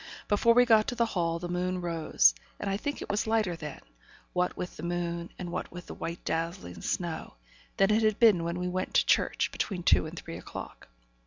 Before we got to the hall, the moon rose, and I think it was lighter then what with the moon, and what with the white dazzling snow than it had been when we went to church, between two and three o'clock.